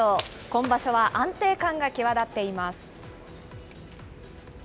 今場所は安定感が際立っています。